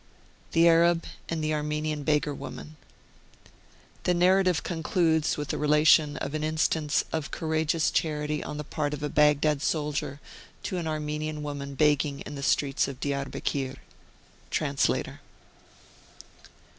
THE ARAB AND THE ARMENIAN BEGGAR WOMAN. .... The narrative concludes with the relation of an instance of courageous charity on the part of a Baghdad soldier to an Armenian woman begging in the streets of Diarbekir. TRANS LATOR.